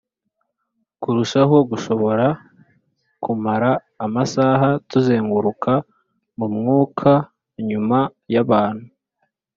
kurushaho, gushobora kumara amasaha tuzenguruka mu mwuka nyuma y' abantu